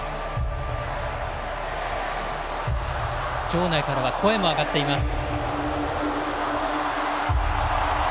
場内からは声も上がっています。